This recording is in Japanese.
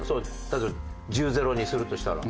例えば１０−０にするとしたら。